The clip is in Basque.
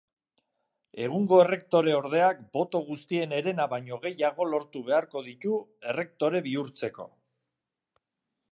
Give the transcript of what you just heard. Egungo errektoreordeak boto guztien herena baino gehiago lortu beharko ditu errektore bihurtzeko.